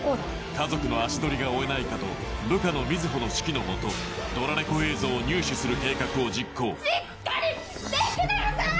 家族の足取りが追えないかと部下の瑞穂の指揮の下ドラレコ映像を入手する計画を実行しっかりしてください！